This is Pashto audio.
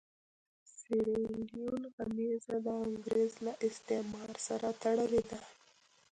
د سیریلیون غمیزه د انګرېز له استعمار سره تړلې ده.